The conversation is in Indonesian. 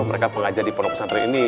mereka pengajar di pondok pesantren ini